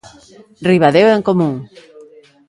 Ribadeo en Común.